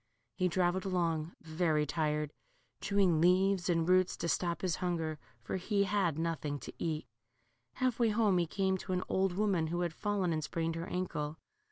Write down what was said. He travelled along very tired, chewing leaves and roots to stop his hunger, for he had nothing to eat. Half way home he came to an old woman who had fallen and sprained her ankle.